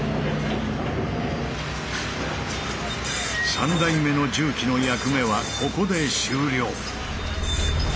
３台目の重機の役目はここで終了。